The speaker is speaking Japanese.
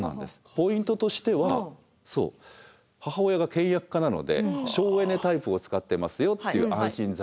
ポイントとしてはそう母親が倹約家なので省エネタイプを使ってますよっていう安心材料を与える。